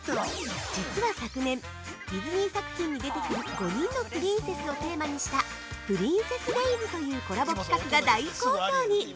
◆実は昨年「ディズニー作品に出てくる５人のプリンセス」をテーマにした「プリンセス・デイズ」というコラボ企画が大好評に！